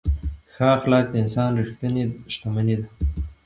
ښه اخلاق د انسان ریښتینې شتمني ده.